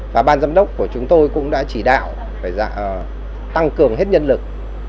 và ban giám đốc của chúng tôi cũng đã chỉ đạo phải tăng cường hết nhân lực